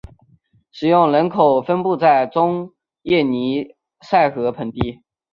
使用人口分布在中叶尼塞河盆地。